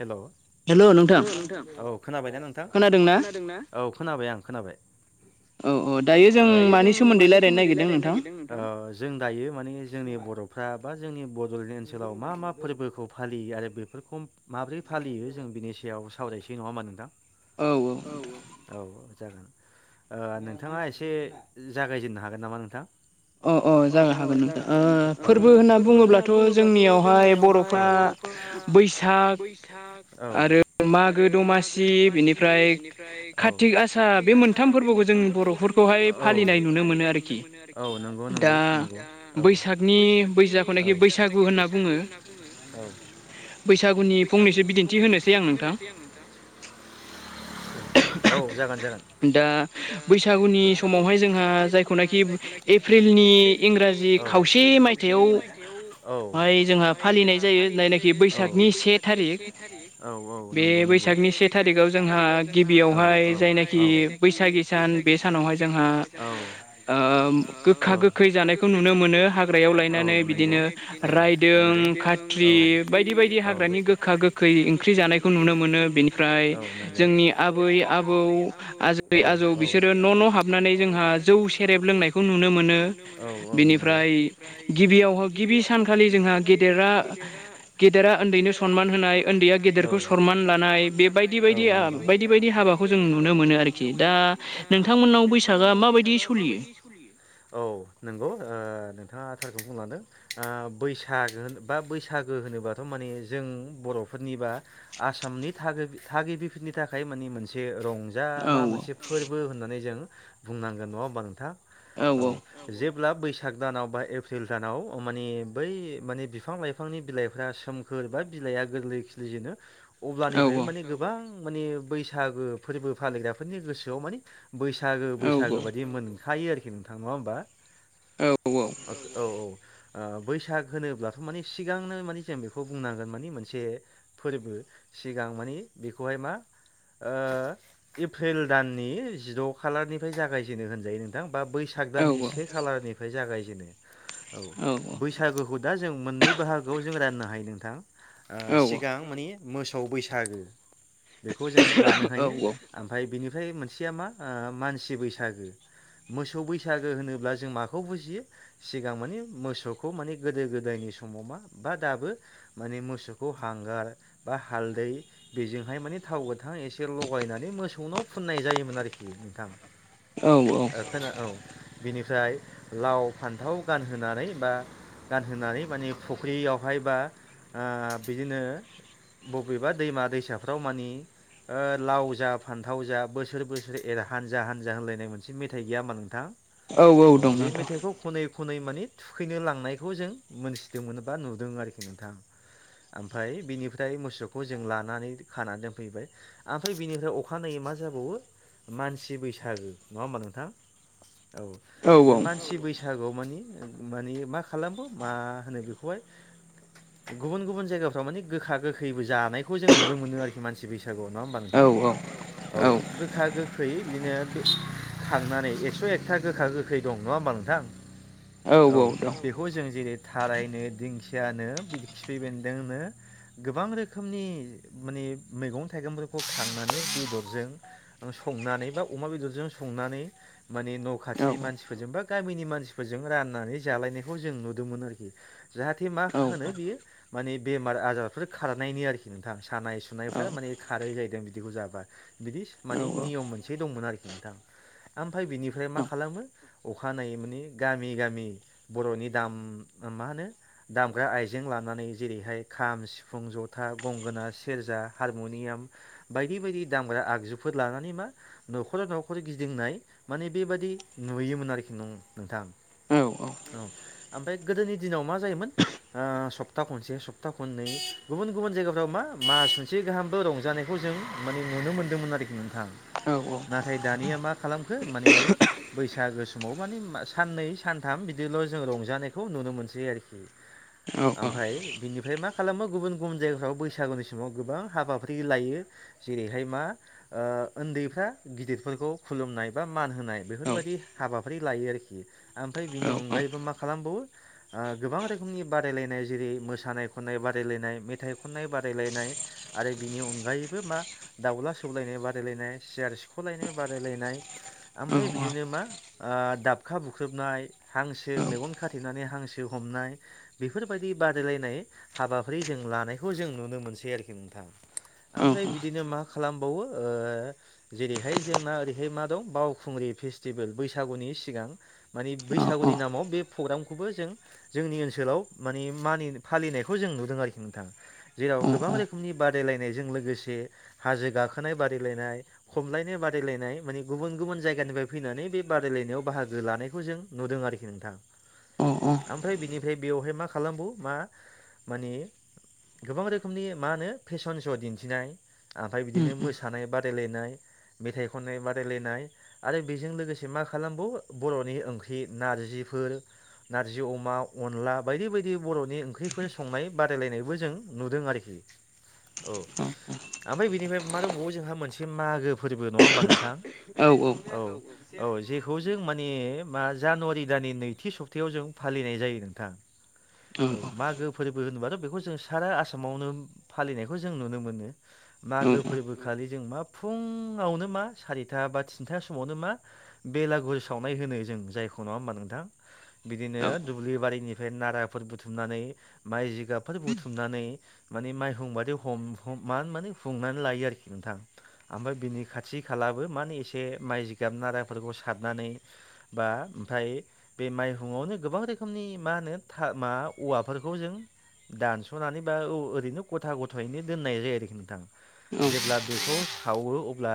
हेल' hello नोंथां औ खोनाबायना नोंथां खोनादोंना औ खोनाबाय। आं खोनाबाय। औ औ दायो जों मानि सोमोन्दै रायलायनो नागिरदों जों दायो माने जोंनि बर' फ्रा बा जोंनि बड'लेण्ड ओनसोलाव मा-मा फोरबोखौ फालियो आरो बेफोरखौ माब्रै फालियो जों बिनि सायाव सावरायसै नङा होनबा नोंथां औ औ औ औ जागोन ओ नोंथाङा एसे जागायजेननो हागोन नामा नोंथां अ अ जानो हागोन नोंथां ओ फोरबो होनना बुङोब्लाथ' जोंनियावहाय बर'फ्रा बर'फोरा बैसाग औ आरो मागो दमासि बिनिफ्राय काति गासा बे मोनथाम फोरबोखौ जोंनि औ बर'फोरखौहाय फालिनाय नुनो मोनो आरोखि औ नं नंगौ नंगौ नंगौ दा बैसागनि बैसाखौनाखि बैसागु होनना बुङो बैसागुनि बैसागुनि फंनैसो बिदिन्थि होनोसै आं नोंथां औ जागोन जागोन दा बैसागुनि समावहाय जोंहा जायखौ नाय खि एप्रिलनि इंराजि खावसे मायथाइयाव औ जोंहा फालि नायनाखि बैसागनि से नि से थारिख औ औ नंगौ नंगौ बे बैसागनि से थारिखआव जोंहा औ औ औ गिबियावहाय बैसागि सान बे सानावहाय जोंहा ओम गोखा-गोखै जानायखौ नुनो मोनो हाग्रायाव लायनानै बिदिनो रायदों, खात्रि इ बायदि-बायदि हाग्रानि गोखो गोखा-गोखै ओंख्रि जानायखौ नुनो मोनो बेनिफ्राय जोंनि आबै-आबौ आजौ जै आजौ बिसोरो न'-न' हाबनानै जोंहा जौ, सेरेब लोंनायखौ खौ नुनो मोनो बेनिफ्राय गिबियावहाय गिबि सानखालि जोंहा गेदेरा गेदेरा उन्दैनो सम सनमान होनाय उन्दैया गेदेरखौ सनमान लानाय बे बायदि बायदि ओ बायदि बायदि हाबाखौ जों नुनो मोनो आरोखि दा नोंथांमोननाव बैसागआ माबायदि सलियो औ नंगौ ओ नोंथाङा थारखौ बुंलांदों ओ बैसागोन बा बैसाग सागो होनोबाथ' माने जों बर'फोरनि बा आसामनि थागोबि थागिबिफोरनि थाखाय माने मोनसे रं रंजा मा मोनसे फोरबो होननानै जों बुंनांगोन नङा होमबा नोंथां औ जेब्ला बैसाग साग दानाव बा एप्रिल दानाव अ माने बै माने बिफां-लाइफांनि बिलाइफ्रा सोम खोर बा बिलाइआ गोरलै खिलिजेनो अब्लानिफ्राय माने गोबां माने बैसागो फोरबो फालिग्राफोरनि गोसोआव माने बैसागो बैसागो बायदि मोन खायो आरोखि नोंथां नङा होनबा औ औ ओ बैसाग होनोब्लाथ' माने सिगांनो माने जों बेखौ खौ बुंनांगोन मानि मोनसे फोरबो सिगां माने बेखौहाय मा ओ एप्रिल दाननि जिद' खालारनिफ्राय जागायजेनो होनजायो नोंथां बा बैसाग दाननि से खालारनिफ्राय जागायजेनो औ बैसागोखौ दा जों मोननै बाहागोआव जों राननो हायो नोंथां सिगां मानि मोसौ बैसागो बेखौ जों लानो हायो ओमफ्राय बिनि ओमफ्राय मोनसेया मा मानसि बैसागो। मोसौ बैसागो होनोब्ला जों माखौ बुजियो सिगां माने मोसौखौ माने गोदो गोदायनि समाव मा बा दाबो माने मोसौखौ हांगार बा हालदै बेजोंहाय माने थाव गोथां एसे लगाय बायनानै मोसौनाव फुननाय जायोमोन आरोखि नोंथां। औ खोना औ बिनिफ्राय लाव फान्थाव गानहोनानै बा गानहोनानै माने फुख्रियावहाय बा आ बिदिनो बबेबा दैमा दैसाफ्राव मानि ओ लाव जा फान्थाव जा बोसोर बोसोर हानजा हानजा होलायनाय मोनसे मेथाइ गैया होमबा नोंथां। औ औ दं नोंथां। खौनै माने थुखैनो लांनायखौ जों मोनथिदोंमोन बा नुदों आरोखि नोंथां। ओमफ्राय बिनिफ्राय मोसौखौ जों लानानै खानानानै दोनफैबाय। ओमफ्राय बिनिफ्राय अखानायै मा जाबावो मानसि बैसागो नङा होमबा नोंथां। औ बे मानसि बैसागोआव मानि माने मा खालामो मा होनो बेखौहाय गुबुन गुबुन जायगाफ्राव माने गोखा गोखैबो जानायखौ जों नुनो मोनो आरोखि मानसि बैसा नङा होमबा नोंथां। औ गोखा गोखै बिदिनो खांनानै एक्स' एकथा गोखा गोखै दं नङा होमबा नोंथां। औ बेखौ जों जेरै थारायनो दिंखियानो बिदि खिफैबोन्दोंनो गोबां रोखोमनि माने मैगं थाइगंफोरखौ खांनानै बेदरजों संनानै बा अमा बेदरजों संनानै माने न' खाथिनि मानसिफोरजोंबा गामिनि मानसिफोरजों राननानै जालायनायखौ जों नुदोंमोन आरोखि। जाहाथे होनो बियो माने बेमार आजारफोर खारनायनि आरोखि नोंथां। सानाय सुनायफ्रा माने खारै जाहैदों बिदिखौ जाबा। बिदि माने नियम मोनसे दंमोन आरो खि नोंथां। ओमफ्राय बिनिफ्राय मा खालामो अखानायै मानि गामि गामि बर'नि दाम मा होनो दाम ग्रा आइजें लानानै जेरैहाय खाम, सिफुं, जथा, गंगोना, सेरजा, हारमुनियाम बायदि बायदि दामग्रा आगजुफोर लानानै मा नख'राव नख'र गिदिंनाय माने बेबादि नुयोमोन आरोखि नो-नोंथां। औ ओमफ्राय गोदोनि दिनाव मा जायोमोन ओ सप्ता खनसे सप्ता खननै गुबुन गुबुन जायगाफ्राव मा मास मोनसे गाहामबो रंजानायखौ जों माने नुनो मोनदोंमोन आरोखि नोंथां। नाथाय दानिया मा खालामखो माने बैसागो समाव माने साननै सान्थाम बिदिल' जों रंजानायखौ नुनो मोनसै आरोखि। ओमफ्राय बिनिफ्राय मा खालामो गुबुन गुबुन जायगाफ्राव बैसागुनि समाव गोबां हाबाफिरि लायो। जेरैहाय मा ओ ओन्दैफ्रा गिदिरफोरखौ खुलुमनाय बा मान होनाय बेफोरबायदि हाबाफारि लायो आरोखि। ओमफ्राय बिनि अनगायैबो मा खालामबावो ओ गोबां रोखोमनि बादायलायनाय जेरै मोसानाय खननाय बादायलायनाय मेथाइ खननाय बादायलायनाय आरो बिनि अनगायै बा मा दाउला सौलायनाय बादायलायनाय, सियार सिख'लायनाय बादायलायनाय ओमफ्राय बिदिनो मा दाबखा बुख्रुबनाय हांसो मेगन खाथेनानै हांसो हमनाय बेफोरबायदि बादायलायनाय हाबाफारि जों लानायखौ जों नुनो मोनसै आरोखि नोंथां। ओमफ्राय बिदिनो मा खालामबावो ओ जेरैहाय जोंना ओरैहाय मा दं बावखुंग्रि फेसस्टिभेल। बैसागुनि सिगां मानि बैसागुनि नामाव बे प्रग्रामखौबो जों जोंनि ओनसोलाव मानि मानि फालिनायखौ जों नुदों आरोखि नोंथां। जेराव गोबां रोखोमनि बादायलायनायजों लोगोसे हाजो गाखोनाय बादायलायनाय, खमलायनाय बादायलायनाय माने गुबुन गुबुन जायगानिफ्राय फैनानै बे बादायलायनायाव बाहागो लानायखौ जों नुदों आरोखि नोंथ। ां आमफ्राय बिनिफ्राय बेयावहाय मा खालामबो मा मानि गोबां रोखोमनि मा होनो फेसन श' दिन्थिनाय ओमफ्राय बिदिनो मोसानाय बादायलायनाय, मेथाइ खननाय बादायलायनाय आरो बेजों लोगोसे मा खालामबाव बर'नि ओंख्रि नार्जि फोर नार्जि अमा, अनला बायदि बायदि बर'नि ओंख्रिफोर संनाय बादायलायनायबो जों नुदों आरोखि। औ ओमफ्राय बेनिफ्राय मा दंबावो जोंहा मोनसे मागो फोरबो नङा होमबा नोंथां? औ। औ जेखौ जों माने मा जानुवारि दाननि नैथि सप्तायाव जों फालिनाय जायो नोंथां। औ मागो फोरबो होनोबाथ' बेखौ जों सारा आसामावनो फालिनायखौ जों नुनो मोनो मागो फोरबोखा खालि जों मा फुङावनो मा सारिथा बा थिनथा समावनो मा बेलागुर सावनाय होनो जों जायखौ नङा हबा नोंथां बिदिनो दुब्लि बारिनि ओफ्राय नाराफोर बुथुमनानै माइ जिगाबफोर बुथुमनानै माने माइ हुमबादि हम हम मान माने हुंनानै लायो आरोखि नोंथां ओमफ्राय बिनि खाथि खालाबो माने एसे माइ जिगाब नाराफोरखौ सारनानै बा ओमफ्राय बे माइहुंआवनो गोबां रोखोमनि मा होनो था माबा औवाफोरखौ जों दानस'नानै बा आं ओरैनो गथा गथायैनो दोननाय जायो आरोखि नोंथां। जेब्ला बेखौ सावो अब्ला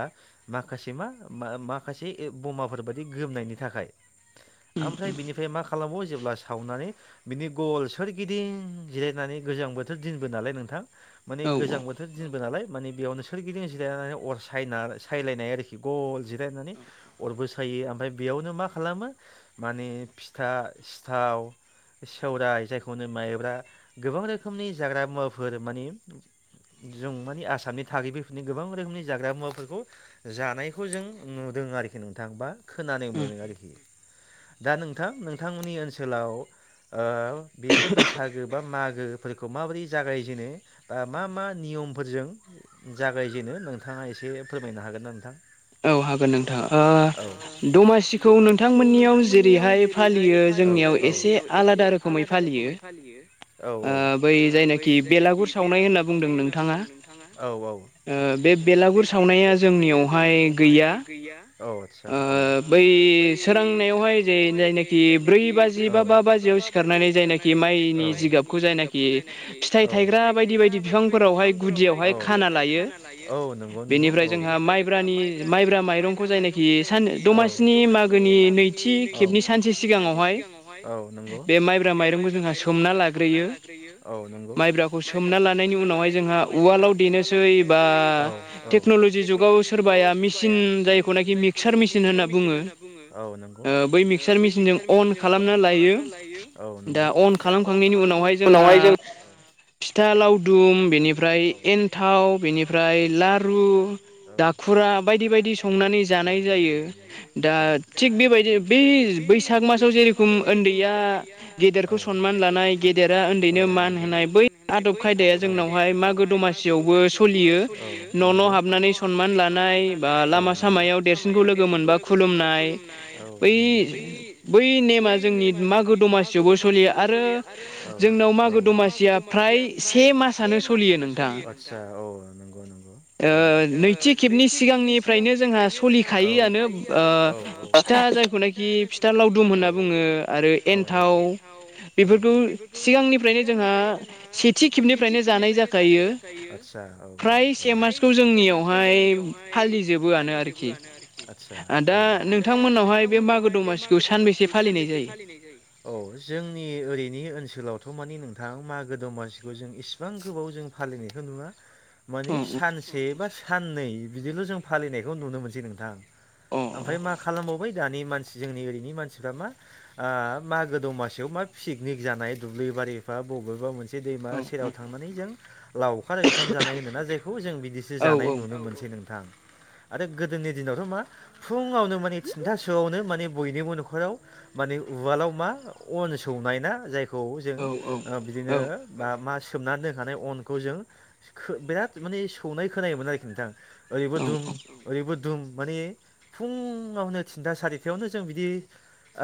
माखासे मा- माखासे बमाफोर बायदि गोमनायनि थाखाय। ओमफ्राय बिनिफ्राय मा खालामबावो जेब्ला माने बिनि गल सोरगिदिं जिरायनानै गोजां बोथोर दिनबो नालाय नोंथां माने गोजां बोथोर दिनबो नालाय मानि बेयावनो सोरगिदिं जिरायनानै अर साय-सायलायनाय आरोखि गल जिरायनानै अरबो साय यो ओमफ्राय बेयावनो मा खालामो माने फिथा सिथाव सोराय जायखौनो माइब्रा गोबां रोखोमनि जाग्रा मुवाफोर माने‌ जों मानि आसामनि थागिबिफोरनि गोबां रोखोमनि जाग्रा मुवाफोरखौ जानायखौ जों नु दों आरोखि नोंथां बा खोनानो मोनो आरोखि दा नोंथां नोंथांमोननि ओन सोलाव ओ बेफोरो बैसागो बा मागोफोरखौ माबोरै जागायजेनो बा मा मा निय मफोरजों जागायजेनो नोंथाङा एसे फोरमायनो हागोन ना नोंथां? औ हागोन नोंथां औ दमासिखौ नोंथांमोननियाव जेरैहाय फालि यो जोंनियाव एसे आलादा रोखोमै फालियो। औ औ ओ बै जायनाखि बेलागुर सावनाय होनना बुंदों नोंथाङा औ औ। बेलागुर सावनाया जोंनियावहाय गैया। औ आदसा औ ओ बै सोरांनायावहाय जे जाय ब्रै बाजि बा बाजिआव सिखारनानै जायनाखि माइनि जिगाबखौ जायनाखि फिथाइ थायग्रा थायग्रा बायदि बायदि बिफांफोरावहाय औ गुदियावहाय खाना लायो औ‌ नंगौ नंगौ औ बेनिफ्राय जोंहा माइ माइब्रा माइरंखौ जायनाखि सान दमासिनि मागोनि नैथि खेबनि सानसे सिगाङाव सिगाङावहाय औ नंगौ बे माइब्रा माइरंखौ जोंहा सोमना लाग्रोयो औ नंगौ। सोमना लानायनि उनावहाय जोंहा उवालाव देनोसै बा टेक्न'लजि जुगाव सोरबाया मिसिन जायखौनाखि‌ मि जायखौ‌ नाखि मिक्सार मिसिन होनना बुंङो औ नंगौ ओ बै मिक्सार मेसिनजों अन खालामना लायो औ नंगौ दा अन खालामखांनायनि उनावहाय जों फिथा लाव दुम बेनिफ्राय एन्थाव बेनिफ्राय लारु दाखुरा बायदि बाय दि संनानै संनानै जानाय जायो औ दा थिख बेबायदि बे बैसाग मासाव जेरोखोम उन्दैआ गेदेरखौ सनमान लानाय गेदेरा उन्दैनो मान होनाय बै खायदाया जोंनावहाय मागो दमासियावबो सोलियो न' न' हाबनानै सनमान लानाय बा लामा सामायाव देरसिनखौ लोगो मोनबा खुलुमनाय बै बै नेमा जोंनि मागो द मासियावबो सोलियो आरो जोंनाव मागो दमासिया फ्राय फ्राय से मासआनो सोलियो आतसा औ नंगौ। ओह नैथि खेबनि सिगांनिफ्रायनो जोंहा सलिखायियानोब ओह फि था जायखौनाखि फिथा लावदुम होनना बुङो आरो एनथाव बेफोरखौ सि सिगांनिफ्रायनो जोंहा सिद सेथि खिबनिफ्रायनो जानाय जाखायो आदसा औ औ। फ्राय से मासखौ जोंनियावहाय फालिजोबोआनो आरोखि आदसा औ आदा। [unintelligible] नोंथांमोननावहाय बे मागो दमासिखौ सानबेसे फालिनायजायो? औ जोंनि ओरैनि ओनसोलाव दाथ' मानि नोंथां मागो दमासिखौ जों इसिबां गोबाव जों फालिनायखो नुवा‌। मानि सानसे बा साननै बिदिल' जों फालिनायखौ नुनो मोनसै नोंथां। ओमफाय मा खालामबावबाय दानि मानसि जोंनि ओरैनि मानसिफ्रा मा ओ मागो दमासियाव मा पिगनिक जानाय दुब्लि बारि बा बबेबा मोनसे दैमा सेराव थांनानै जों लाउखार ओंखाम जानाय होनोना जायखौ जों बिदिसो जानाय नुनोमोनसै नोंथां। आरो गोदोनि दिनावथ मा फुङावनो माने थिनथासोआवनो माने बयनिबो नखराव माने उवालाव मा अन सौनायना जायखौ जों ओ बिदिनो मा सोमनानै दोनखानाय अनखौ जों खो बिराद माने सौनाय खोनायोमोन आरोखि नोंथां। ओरैबो दुम ओरैबो दुम माने फुंङावनो थिनथा सारिथायावनो जों बिदि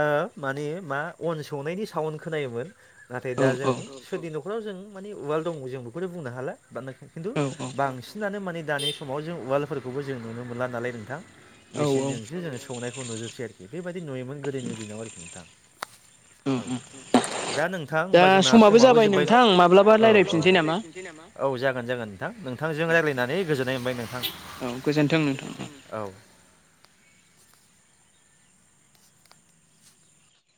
ओ मानि मा अन सौनायनि साब सावोन खोनायोमोन नाथाय दा जों सोरनि नखराव जों मानि उवाल दं जों बेखौनो बुंनोहाला। [unintelligible] खिन्थु बांसिनानो मानि दानि समाव जों उवाल फोरखौबो जों नुनोमोनला नालाय नोंथां। मिसिनजोंसो जोङो सौनायखौ नुजोबसै आरोखि बेबायदि नुयोमोन गोदोनि दिनाव आरोखि नोंथां। दा नोंथां होमबा जोंना समाबो जोबबाय औ औ औ जागोन जागोन थां नोंथांजों रायज्लायनानै गोजोननाय मोनबाय नोंथां गोजोनथों औ।